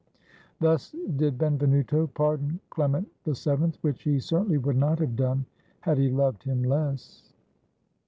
Thus did Benvenuto pardon Clement VII, which he certainly would not have done had he loved him less.